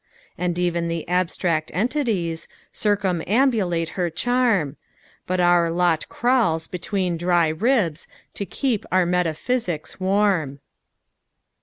And even the Abstract Entities Circumambulate her charm; But our lot crawls between dry ribs To keep our metaphysics warm.